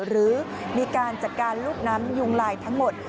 หรือมีการจัดการลูกน้ำยุงลายทั้งหมด